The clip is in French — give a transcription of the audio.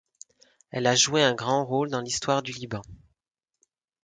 Elle a joué un grand rôle dans l'histoire du Liban.